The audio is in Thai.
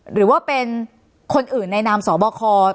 หรือว่าเป็นคนอื่นในนามสบค